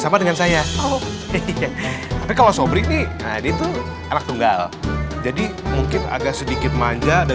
sama dengan saya hehehe tapi kalau sobrik nih itu anak tunggal jadi mungkin agak sedikit manja dan